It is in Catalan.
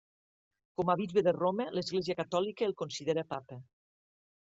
Com a bisbe de Roma, l'Església Catòlica el considera papa.